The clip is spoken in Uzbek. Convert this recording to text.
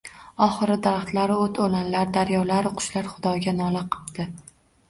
Oxiri daraxtlaru o‘t-o‘lanlar, daryolaru qushlar Xudoga nola qipti.